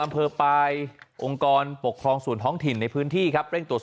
อำเภอปลายองค์กรปกครองส่วนท้องถิ่นในพื้นที่ครับเร่งตรวจ